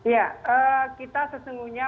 ya kita sesungguhnya